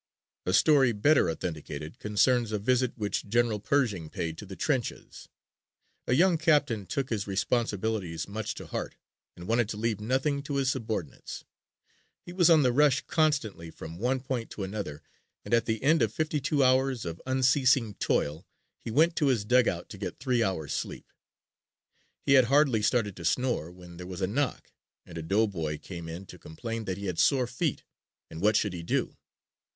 A story better authenticated concerns a visit which General Pershing paid to the trenches. A young captain took his responsibilities much to heart and wanted to leave nothing to his subordinates. He was on the rush constantly from one point to another and at the end of fifty two hours of unceasing toil he went to his dugout to get three hours' sleep. He had hardly started to snore when there was a knock and a doughboy came in to complain that he had sore feet and what should he do.